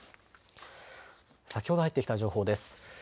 先ほど入ってきた情報です。